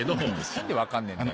何で分かんねえんだよ。